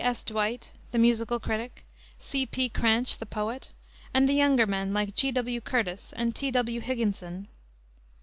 S. Dwight, the musical critic, C. P. Cranch, the poet, and younger men, like G. W. Curtis, and T. W. Higginson.